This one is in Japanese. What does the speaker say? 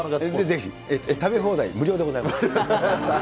ぜひ、食べ放題無料でございますんで。